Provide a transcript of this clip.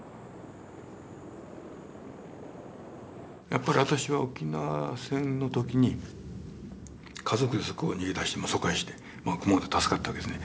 やっぱり私は沖縄戦の時に家族でそこを逃げ出し疎開して熊本で助かったわけですね。